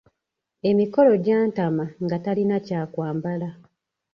Emikolo gyantama ng’atalina kya kwambala.